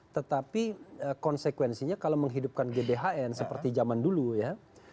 tetapi konsekuensinya kalau menghidupkan gbhn seperti zaman dulu ya